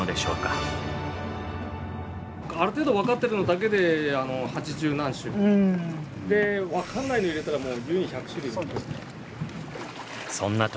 ある程度分かってるのだけで八十何種。で分かんないの入れたらもう優にそんな時。